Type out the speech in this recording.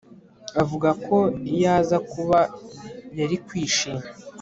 Avuga ko iyo aza kuba yari kwishima